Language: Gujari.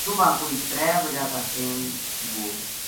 صُبح کوئی ترے بجا کا ٹیم بو